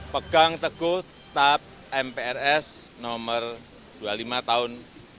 pegang teguh tahap mprs nomor dua puluh lima tahun seribu sembilan ratus enam puluh enam